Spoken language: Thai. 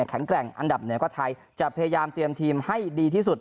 แข็งแกร่งอันดับเหนือกว่าไทยจะพยายามเตรียมทีมให้ดีที่สุด